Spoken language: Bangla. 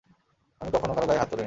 আমি কখনও কারও গাঁ-য়ে হাত তুলিনি।